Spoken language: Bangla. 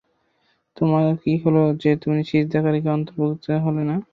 তোমার কি হলো যে, তুমি সিজদাকারীদের অন্তর্ভুক্ত হলে না।